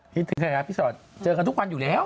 คิดถึงไทยรัฐพี่ชอตเจอกันทุกวันอยู่แล้ว